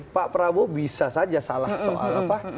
pak prabowo bisa saja salah soal apa